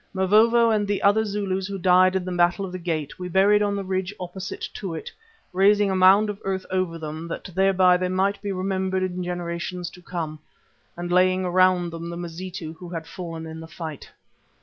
Mavovo and the other Zulus who died in the Battle of the Gate, we buried on the ridge opposite to it, raising a mound of earth over them that thereby they might be remembered in generations to come, and laying around them the Mazitu who had fallen in the fight.